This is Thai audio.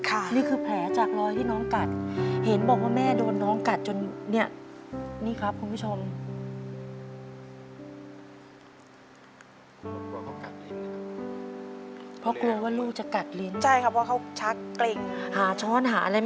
นี่คือแผลจากรอยที่น้องกัดเห็นบอกว่าแม่โดนน้องกัดจนเนี่ยนี่ครับคุณผู้ชม